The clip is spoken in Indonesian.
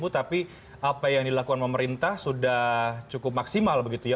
tapi apa yang dilakukan pemerintah sudah cukup maksimal begitu ya